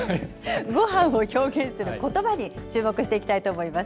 ごはんを表現することばに注目していきたいと思います。